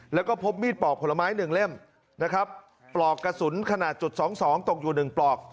แล้วก็พบมีดปอกผลไม้๑เล่มนะครับปลอกกระสุนขนาด๒๒ตกอยู่๑ปลอก